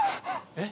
えっ？